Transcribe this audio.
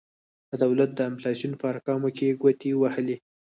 د دولت د انفلاسیون په ارقامو کې ګوتې وهلي.